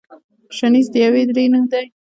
شنیز د یوې درې نوم دی.